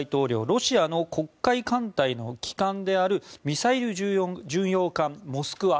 ロシアの黒海艦隊の旗艦であるミサイル巡洋艦「モスクワ」